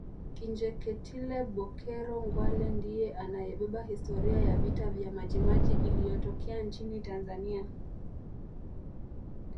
Kinjekitile Bokero Ngwale ndiye anayebeba historia ya vita vya majimaji iliyotokea nchini Tanzania